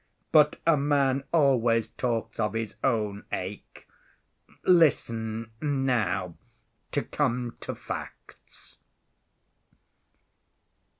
But a man always talks of his own ache. Listen, now to come to facts."